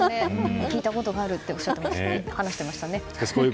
聞いたことがあるっておっしゃっていましたね。